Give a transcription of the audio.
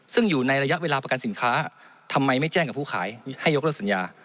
ซึ่งอยู่ในระยะเวลาประกันสินค้าทำไมไม่แจ้งกับผู้ขายให้ยกเลิกสัญญา